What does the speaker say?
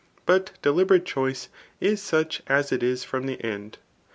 But deliberate choice is such as it is from the end.